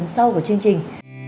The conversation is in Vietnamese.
sau của chương trình